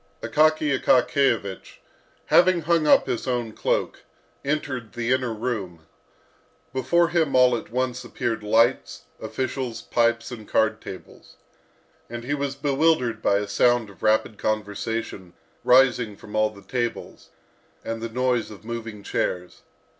Akaky Akakiyevich, having hung up his own cloak, entered the inner room. Before him all at once appeared lights, officials, pipes, and card tables, and he was bewildered by a sound of rapid conversation rising from all the tables, and the noise of moving chairs.